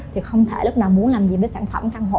thì không thể lúc nào muốn làm gì với sản phẩm căn hộ